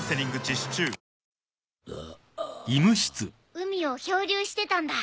海を漂流してたんだ。